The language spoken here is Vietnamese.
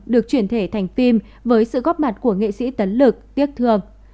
được chuyển thể thành phim với sự góp mặt của nghệ sĩ tấn lực tiếc thương